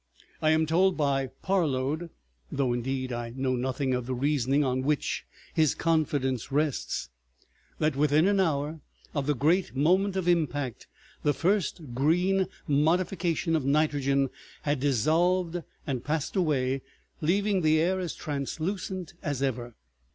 I am told by Parload—though indeed I know nothing of the reasoning on which his confidence rests— that within an hour of the great moment of impact the first green modification of nitrogen had dissolved and passed away, leaving the air as translucent as ever.